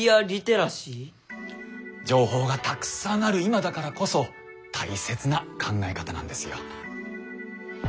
情報がたくさんある今だからこそ大切な考え方なんですよ。